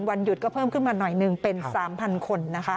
วันหยุดก็เพิ่มขึ้นมาหน่อยหนึ่งเป็น๓๐๐คนนะคะ